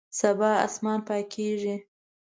سبا اسمان پاکیږي